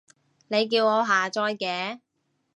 你叫我下載嘅